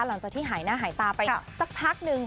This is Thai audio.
หลังจากที่หายหน้าหายตาไปสักพักนึง